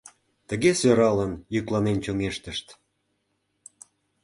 Тыге сӧралын йӱкланен чоҥештышт.